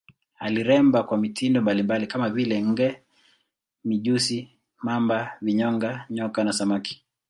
Aliremba kwa mitindo mbalimbali kama vile nge, mijusi, mamba, vinyonga, nyoka na samaki.